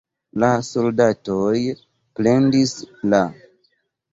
La soldatoj plendis La.